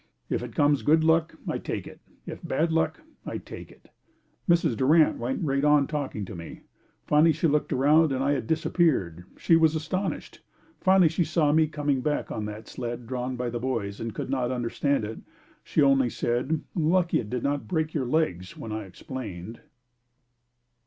If it comes good luck, I take it if bad luck, I take it. Mrs. Durant went right on talking to me. Finally she looked around and I had disappeared. She was astonished. Finally she saw me coming back on that sled drawn by the boys and could not understand it. She only said, "Lucky it did not break your legs," when I explained.